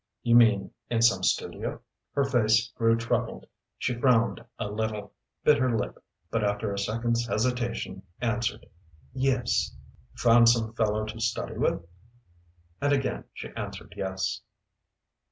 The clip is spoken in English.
"You mean in some studio?" Her face grew troubled; she frowned a little, bit her lip, but after a second's hesitation, answered: "Yes." "Found some fellow to study with?" And again she answered yes.